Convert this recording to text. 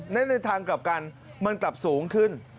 และในทางกลับกันมันกลับสูงขึ้น